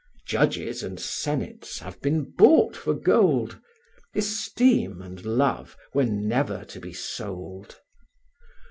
Judges and senates have been bought for gold, Esteem and love were never to be sold.